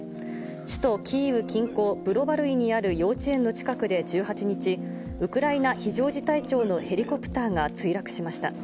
首都キーウ近郊ブロバルイにある幼稚園の近くで１８日、ウクライナ非常事態庁のヘリコプターが墜落しました。